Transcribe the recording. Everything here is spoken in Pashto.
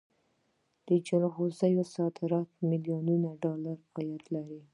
د جلغوزیو صادرات میلیونونه ډالر عاید لري